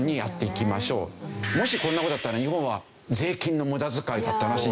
もしこんな事やったら日本は税金の無駄遣いだって話に。